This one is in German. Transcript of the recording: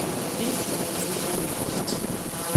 Ich sicher nicht.